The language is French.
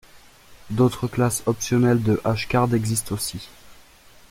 D'autres classes, optionnelles de hCard existent aussi.